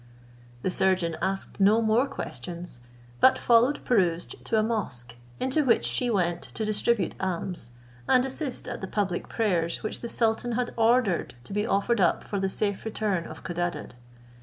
The surgeon asked no more questions, but followed Pirouzč to a mosque, into which she went to distribute alms, and assist at the public prayers which the sultan had ordered to be offered up for the safe return of Codadad.